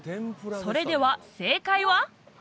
それでは正解は？